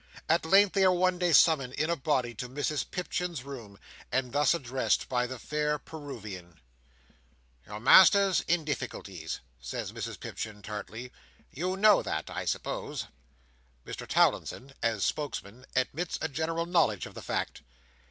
At length, they are one day summoned in a body to Mrs Pipchin's room, and thus addressed by the fair Peruvian: "Your master's in difficulties," says Mrs Pipchin, tartly. "You know that, I suppose?" Mr Towlinson, as spokesman, admits a general knowledge of the fact.